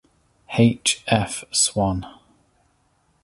H. F. Swann.